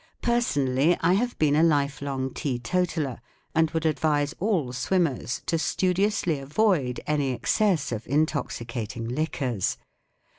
Personally I have been a lifelong teetotaller, and would advise all swimmers to studiously avoid any excess of intoxicating liquors.